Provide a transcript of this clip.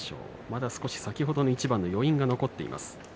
まだ少し先ほどの一番の余韻が残っています。